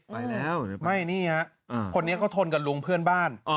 ไปแล้วหรือไม่นี่ฮะคนนี้เขาทนกับลุงเพื่อนบ้าน